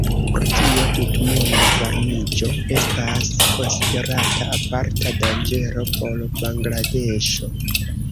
Pro tio, tutmonda varmiĝo estas konsiderata aparta danĝero por Bangladeŝo.